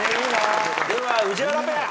では宇治原ペア。